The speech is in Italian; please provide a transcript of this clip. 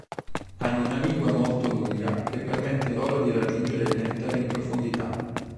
Hanno una lingua molto lunga che permette loro di raggiungere il nettare in profondità.